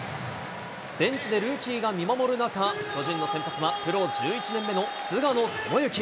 ベンチでルーキーが見守る中、巨人の先発はプロ１１年目の菅野智之。